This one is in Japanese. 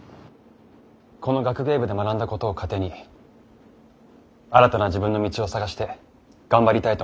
この学芸部で学んだことを糧に新たな自分の道を探して頑張りたいと思います。